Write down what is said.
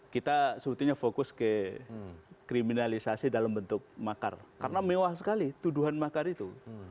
kita sebetulnya fokus ke kriminalisasi dalam bentuk makar karena mewah sekali tuduhan makar itu